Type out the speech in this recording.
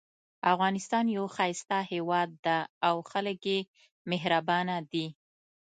افغانستان یو ښایسته هیواد ده او خلک یې مهربانه دي